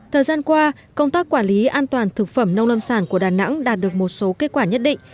thời gian qua công tác quản lý an toàn thực phẩm nông lâm sản của đà nẵng đạt được một số kết quả nhất định